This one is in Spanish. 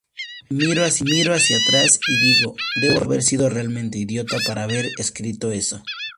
Miro hacia atrás y digo: "Debo haber sido realmente idiota para haber escrito eso".